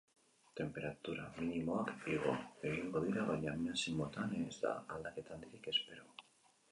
Tenperatura minimoak igo egingo dira baina maximoetan ez da aldaketa handirik espero.